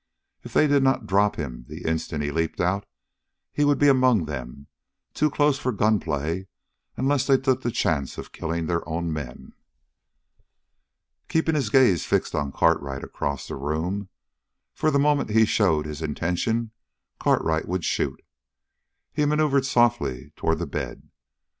If they did not drop him the instant he leaped out, he would be among them, too close for gunplay unless they took the chance of killing their own men. Keeping his gaze fixed on Cartwright across the room for the moment he showed his intention, Cartwright would shoot he maneuvered softly toward the bed.